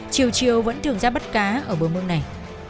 chiều chiều vẫn trường ra bắt cá ở bờ mương này